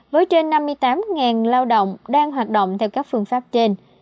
với trên năm mươi tám lao động đang hoạt động theo các phương pháp trên